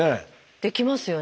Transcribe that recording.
できますよね